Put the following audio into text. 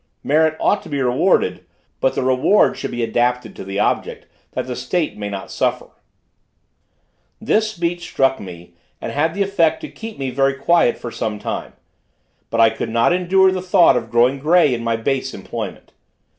Merit ought to be rewarded, but the reward should be adapted to the object, that the State may not suffer." This speech struck me, and had the effect to keep me very quiet for some time. But I could not endure the thought of growing grey in my base employment.